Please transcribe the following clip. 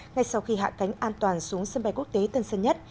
ngay sau khi hạ cánh an toàn xuống sân bay quốc tế tân sơn nhất